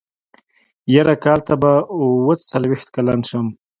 يره کال ته به اوه څلوېښت کلن شم.